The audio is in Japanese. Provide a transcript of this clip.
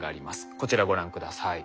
こちらご覧下さい。